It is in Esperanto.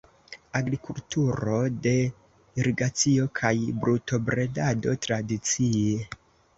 Agrikulturo de irigacio kaj brutobredado tradicie.